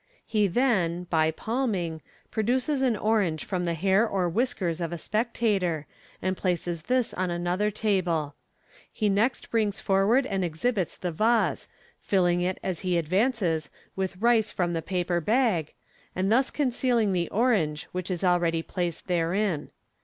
He then (by palming) produces an orange from the hair or whiskers of a spectator, and places this on another table. He next brings forward and exhibits the vase, rilling it as he advances with rice from the paper bag, and thus concealing the orange which is already placed therein.